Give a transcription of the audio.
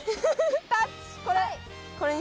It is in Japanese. これ。